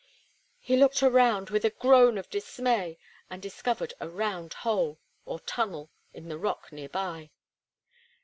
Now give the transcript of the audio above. He looked around with a groan of dismay, and discovered a round hole, or tunnel, in the rock nearby.